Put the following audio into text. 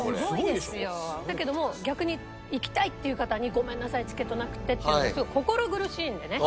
だけど逆に行きたいっていう方に「ごめんなさいチケットなくて」って言うのがすごい心苦しいんでね